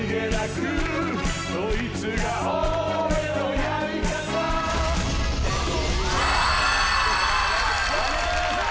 やめてください！